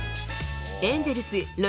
エンゼルス